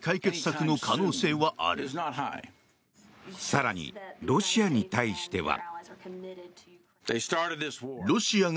更に、ロシアに対しては。